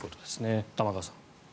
玉川さん。